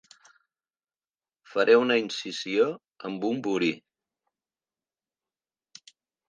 Faré una incisió amb un burí.